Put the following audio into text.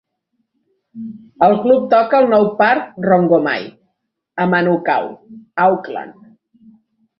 El club toca al nou parc Rongomai a Manukau, Auckland.